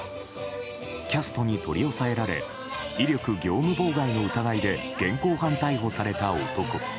キャストに取り押さえられ威力業務妨害の疑いで現行犯逮捕された男。